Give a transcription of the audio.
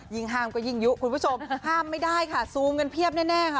ห้ามก็ยิ่งยุคุณผู้ชมห้ามไม่ได้ค่ะซูมกันเพียบแน่ค่ะ